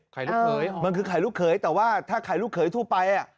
ไข่ลูกเคยอ๋อมันคือไข่ลูกเคยแต่ว่าถ้าไข่ลูกเคยทั่วไป